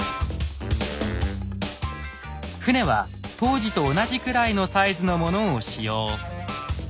船は当時と同じくらいのサイズのものを使用。